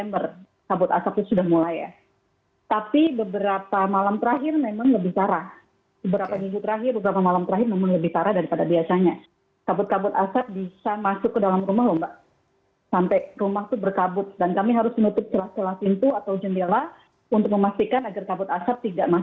mbak suci sudah berapa lama ini kota palembang dikepung kabut asap